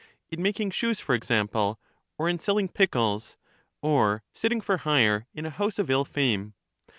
in making shoes, for example, or in selling pickles, or sitting for hire in a house of iU fame.